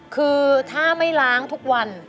คือถ้าไม่ล้างทุกวัน